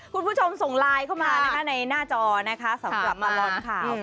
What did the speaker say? คุณผู้ชมส่งไลน์เข้ามานะคะในหน้าจอนะคะสำหรับตลอดข่าว